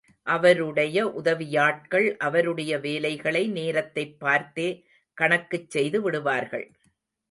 அவருடைய உதவியாட்கள், அவருடைய வேலைகளை நேரத்தைப் பார்த்தே கணக்குச் செய்து விடுவார்கள்.